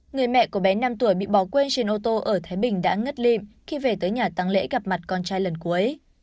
người mẹ của bé năm tuổi bị bỏ quên trên ô tô ở thái bình đã ngất lịm khi về tới nhà tăng lễ gặp mặt con trai lần cuối